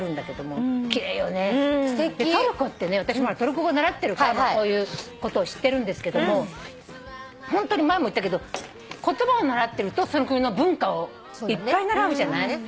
私トルコ語習ってるからこういうことを知ってるんですけどもホントに前も言ったけど言葉を習ってるとその国の文化をいっぱい習うじゃない。